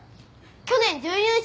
去年準優勝。